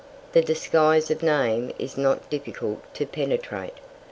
The disguise of name is not difficult to penetrate.